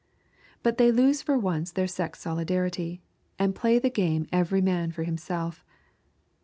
But they lose for once their sex solidarity, and play the game every man for himself.